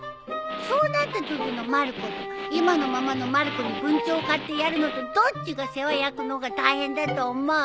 そうなったときのまる子と今のままのまる子にブンチョウを買ってやるのとどっちが世話焼くのが大変だと思う？